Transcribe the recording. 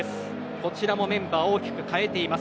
こちらもメンバーを大きく変えています。